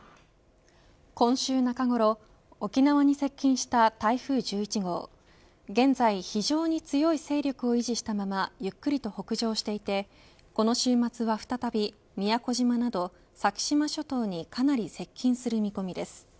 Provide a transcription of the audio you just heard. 今週中ごろ、沖縄に接近した台風１１号現在、非常に強い勢力を維持したままゆっくりと北上していてこの週末は再び、宮古島など先島諸島にかなり接近する見込みです。